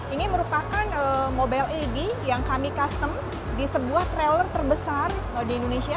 ini merupakan mobile ad yang kami custom di sebuah trailer terbesar di indonesia